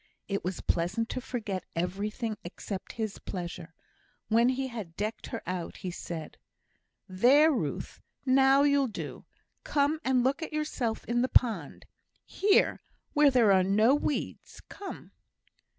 It was pleasant to forget everything except his pleasure. When he had decked her out, he said: "There, Ruth! now you'll do. Come and look at yourself in the pond. Here, where there are no weeds. Come."